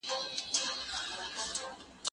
زه تمرين نه کوم؟!